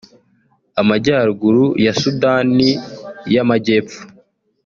Amajyaruguru ya Sudani y’Amajyepfo